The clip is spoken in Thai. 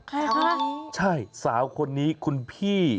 ใครคะใช่สาวคนนี้คุณพี่